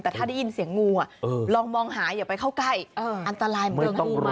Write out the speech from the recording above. แต่ถ้าได้ยินเสียงงูลองมองหาอย่าไปเข้าใกล้อันตรายเหมือนเจองูมาก